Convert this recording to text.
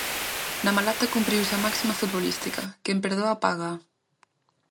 Na Malata cumpriuse a máxima futbolística: quen perdoa págaa.